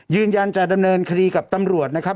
ยืนยันจะดำเนินคดีกับตำรวจนะครับ